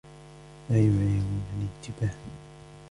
لا يعيرونني انتباهًا.